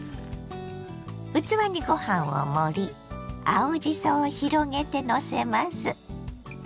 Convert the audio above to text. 器にご飯を盛り青じそを広げてのせます。